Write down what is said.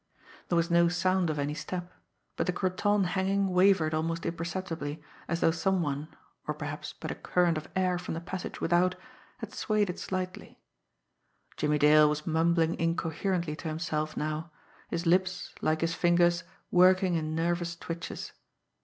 There was no sound of any step; but the cretonne hanging wavered almost imperceptibly, as though some one, or perhaps but a current of air from the passage without, had swayed it slightly. Jimmie Dale was mumbling incoherently to himself now; his lips, like his fingers, working in nervous twitches.